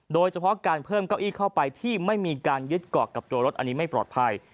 โดยเฉพาะการเพิ่มเก้าอี้เข้าไปที่ไม่มีการยึดเกาะกับตัวรถอันนี้ไม่ปลอดภัย